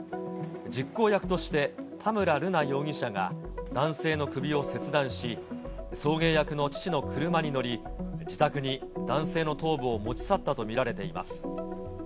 実行役として田村瑠奈容疑者が男性の首を切断し、送迎役の父の車に乗り、自宅に男性の頭部を持ち去ったと見られています。